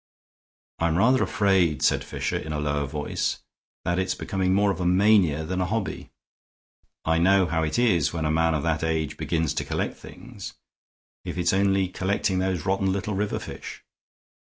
"I'm rather afraid," said Fisher, in a lower voice, "that it's becoming more of a mania than a hobby. I know how it is when a man of that age begins to collect things, if it's only collecting those rotten little river fish.